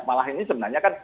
malah ini sebenarnya kan